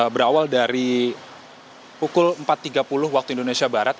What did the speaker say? berawal dari pukul empat tiga puluh waktu indonesia barat